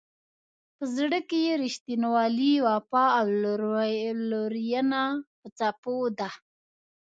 په زړه کې یې رښتینولي، وفا او لورینه په څپو ده.